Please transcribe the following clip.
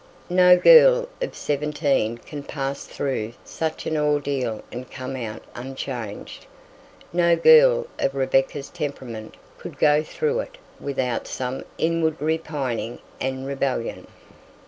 No girl of seventeen can pass through such an ordeal and come out unchanged; no girl of Rebecca's temperament could go through it without some inward repining and rebellion.